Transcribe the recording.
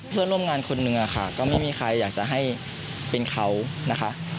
เพื่อนร่วมงานคนหนึ่งค่ะก็ไม่มีใครอยากจะให้เป็นเขานะคะ